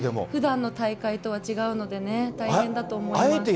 ふだんの大会とは違うのでね、大変だと思います。